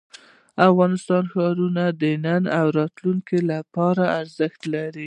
افغانستان کې ښارونه د نن او راتلونکي لپاره ارزښت لري.